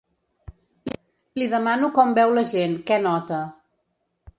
Li demano com veu la gent, què nota.